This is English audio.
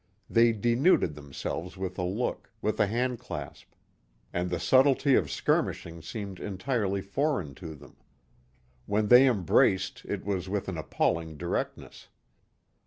They denuded themselves with a look, with a handclasp. And the subtlety of skirmishing seemed entirely foreign to them. When they embraced it was with an appalling directness.